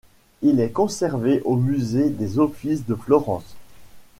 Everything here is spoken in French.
Il est conservé au musée des Offices de Florence.